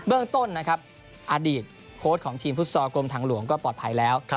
เรื่องต้นนะครับอดีตโค้ชของทีมฟุตซอลกรมทางหลวงก็ปลอดภัยแล้ว